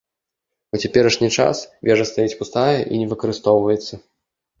У цяперашні час вежа стаіць пустая і не выкарыстоўваецца.